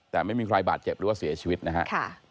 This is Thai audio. แต่ไม่มีใครบาดเจ็บหรือว่าเสียชีวิตนะฮะ